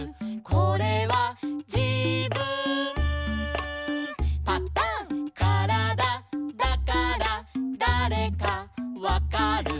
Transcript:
「これはじぶんパタン」「からだだからだれかわかる」